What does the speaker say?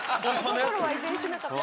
絵心は遺伝しなかった。